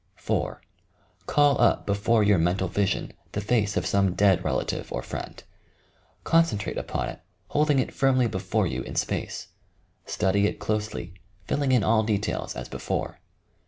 4. Call up before your mental vision the face of some dead relative or friend. Concentrate upon it, holding it firmly before you in space. Study it closely, filling in all details as before.